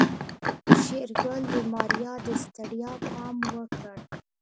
شېرګل د ماريا د ستړيا پام وکړ.